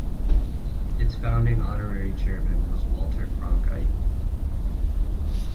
Its founding honorary chairman was Walter Cronkite.